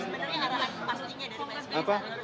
bagaimana sih mas sebenarnya arahan pastinya dari pak sbi